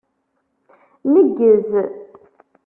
Neggez!